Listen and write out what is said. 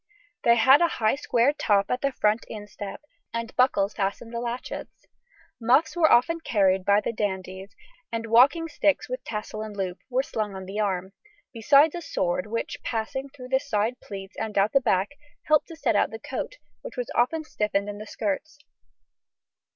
They had a high square top at the front instep, and buckles fastened the latchets. Muffs were often carried by the dandies, and walking sticks, with tassel and loop, were slung on the arm; besides a sword, which, passing through the side pleats and out at the back, helped to set out the coat, which was often stiffened in the skirts.